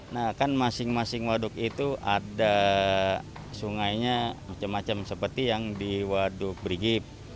nah kan masing masing waduk itu ada sungainya macam macam seperti yang di waduk berigip